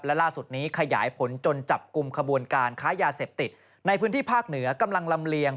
และล่าสุดนี้ขยายผลจนจับกลุ่มขบวนการค้ายาเสพติดในพื้นที่ภาคเหนือกำลังลำเลียง